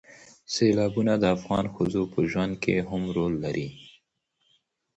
سیلابونه د افغان ښځو په ژوند کې هم رول لري.